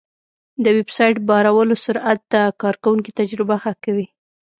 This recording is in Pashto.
د ویب سایټ بارولو سرعت د کارونکي تجربه ښه کوي.